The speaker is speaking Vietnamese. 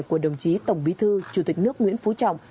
của đồng chí tổng bí thư chủ tịch nước nguyễn phú trọng